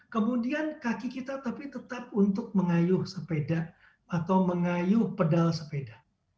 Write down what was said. kemudian kaki kita tapi tetap untuk mengayuh sepeda atau mengayuh pedal sepeda